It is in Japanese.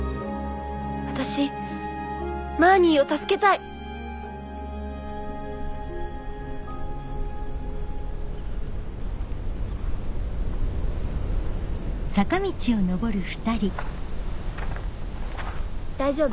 私マーニーを助けたい大丈夫？